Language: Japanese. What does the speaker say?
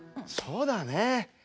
そうだね。